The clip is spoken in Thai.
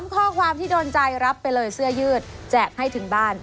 ข้อความที่โดนใจรับไปเลยเสื้อยืดแจกให้ถึงบ้าน